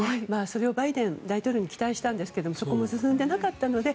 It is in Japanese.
それをバイデン大統領に期待したんですがそこも進んでいなかったので